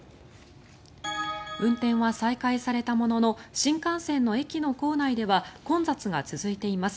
運転は再開されたものの新幹線の駅の構内は混雑が続いています。